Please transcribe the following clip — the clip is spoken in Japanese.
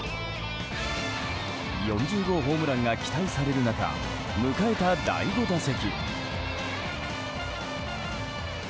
４０号ホームランが期待される中迎えた第５打席。